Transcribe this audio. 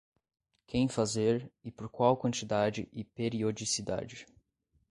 Quem fazer e por qual quantidade e periodicidade.